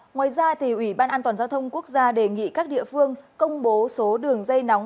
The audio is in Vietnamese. ngoài ra ủy ban an toàn giao thông quốc gia đề nghị các địa phương công bố số đường dây nóng